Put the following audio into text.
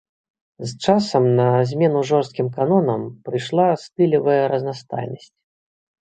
З часам на змену жорсткім канонам прыйшла стылявая разнастайнасць.